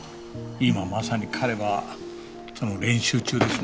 今まさに彼はその練習中ですね。